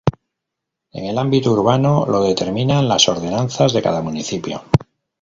En el ámbito urbano lo determinan las ordenanzas de cada municipio.